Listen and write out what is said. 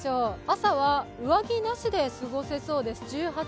朝は上着なしで過ごせそうです。